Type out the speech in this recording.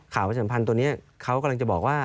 ข่าวประจำพันธ์ตัวนี้เขากำลังจะบอกว่า